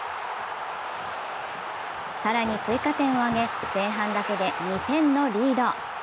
更に追加点を挙げ、前半だけで２点のリード。